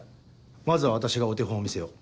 まずは私がお手本を見せよう。